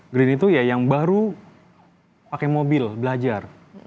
green itu ya yang baru pakai mobil belajar